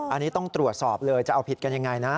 อันนี้ต้องตรวจสอบเลยจะเอาผิดกันยังไงนะ